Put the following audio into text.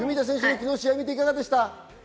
昨日の試合、いかがでした？